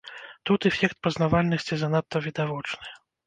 Тут эфект пазнавальнасці занадта відавочны.